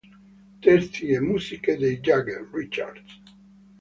Testi e musiche di Jagger, Richards.